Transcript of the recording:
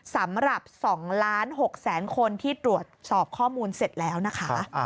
สำหรับ๒๖๐๐๐คนที่ตรวจสอบข้อมูลเสร็จแล้วนะคะ